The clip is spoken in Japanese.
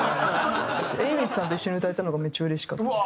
Ａｗｉｃｈさんと一緒に歌えたのがめっちゃうれしかったです。